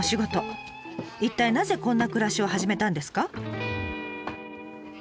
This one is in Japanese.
一体なぜこんな暮らしを始めたんですか？